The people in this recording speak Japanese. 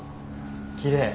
きれい。